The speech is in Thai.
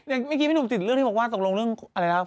เมื่อกี้ไม่หนุ่มสิทธิ์เรื่องที่บอกว่าตรงเรื่องอะไรนะ